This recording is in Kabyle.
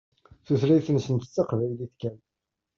Tutlayt-nsent d taqbaylit kan.